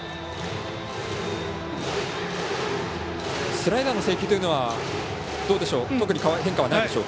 スライダーの制球というのはどうでしょう？